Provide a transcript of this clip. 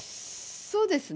そうですね。